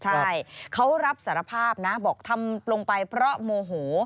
ใช่เขารับสารภาพนะบอกทำลงไปเพราะโมโห